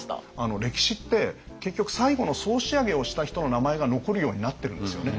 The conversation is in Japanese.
歴史って結局最後の総仕上げをした人の名前が残るようになってるんですよね。